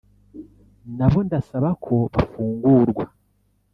nabo ndasaba ko bafungurwa